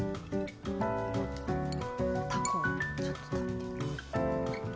たこをちょっと食べてみよう。